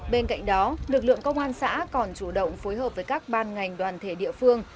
bên cạnh đó lực lượng công an xã còn chủ động phối hợp với các ban ngành đoàn thể địa phương